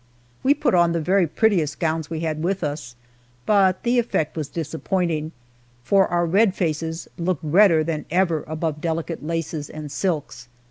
We put on the very prettiest gowns we had with us, but the effect was disappointing, for our red faces looked redder than ever above delicate laces and silks.